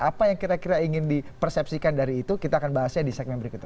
apa yang kira kira ingin dipersepsikan dari itu kita akan bahasnya di segmen berikutnya